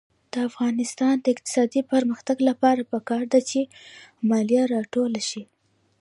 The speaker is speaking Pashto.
د افغانستان د اقتصادي پرمختګ لپاره پکار ده چې مالیه راټوله شي.